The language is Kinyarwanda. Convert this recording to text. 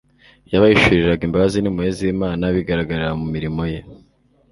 Yabahishuriraga imbabazi n'impuhwe z'Imana bigaragarira mu mirimo ye